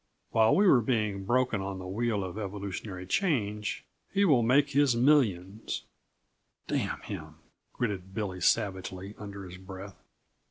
While we are being 'broken' on the wheel of evolutionary change, he will make his millions " "Damn him!" gritted Billy savagely, under his breath.